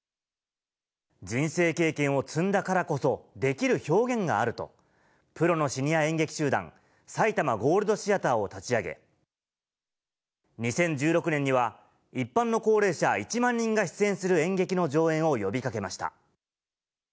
人生経験を積んだからこそできる表現があると、プロのシニア演劇集団、さいたまゴールド・シアターを立ち上げ、２０１６年には、一般の高齢者１万人が出演する演劇の上演を呼びかけました。